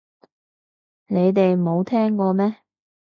你哋冇聽過咩